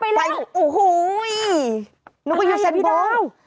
โอ้โฮน้องกระยุกต์เซ็นบอล